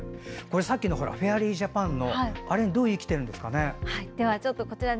さっきのフェアリージャパンにはどう生きているんでしょうね。